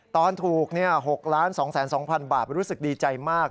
ตอนถูก๖๒๒๐๐๐บาทรู้สึกดีใจมาก